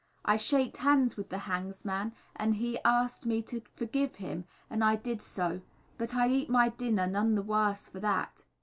I shaked hands with the hangs man and he ast me to forgive him and I did so. _But I eat my dinner none the worse for that.